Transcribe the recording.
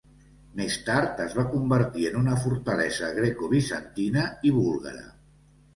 Més tard es va convertir en una fortalesa grecobizantina i búlgara.